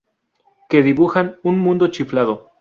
que dibujan un mundo chiflado